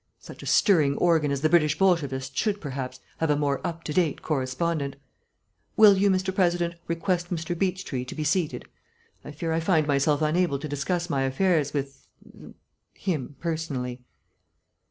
Such a stirring organ as the British Bolshevist should, perhaps, have a more up to date correspondent. Will you, Mr. President, request Mr. Beechtree to be seated? I fear I find myself unable to discuss my affairs with er him personally."